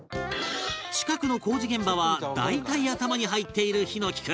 近くの工事現場は大体頭に入っている枇乃樹君